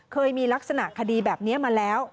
เคยมีลักษณะคดีแบบนี้มาแล้ว